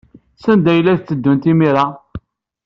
Sanda ay la tteddunt imir-a?